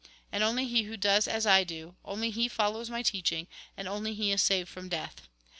And only he who does as I do, only he follows my teaching, and only he is saved from death.